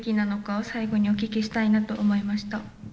最後にお聞きしたいなと思いました。